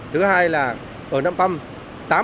thứ hai là ở năm phăm